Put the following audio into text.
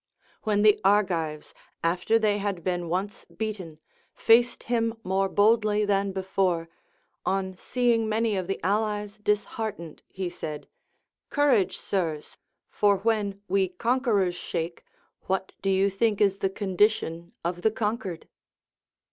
AVhen the Argi\'es, after they had been once beaten, faced him more boldly than before ; on seeing many of the allies disheartened, he said, Courage, sirs ! for when we conquerors shake, what do you think is the condition of the conquered